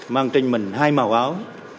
mang trên mình hai màu áo